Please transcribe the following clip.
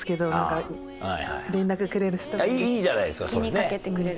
いいじゃないですかそれ。